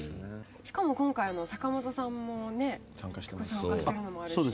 しかも今回坂本さんもね参加してるのもあるし。